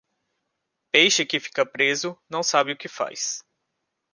Peixe que fica preso, não sabe o que faz.